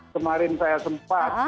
kemarin saya sempat